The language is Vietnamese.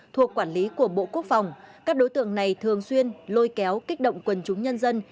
thuộc quản lý của bộ quốc phòng các đối tượng này thường xuyên lôi kéo kích động quần chúng nhân dân